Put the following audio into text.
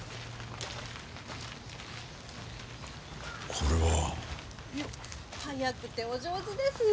これは。早くてお上手ですね。